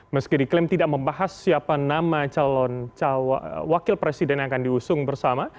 meski diklaim tidak membahas siapa nama calon wakil presiden yang akan diusung bersama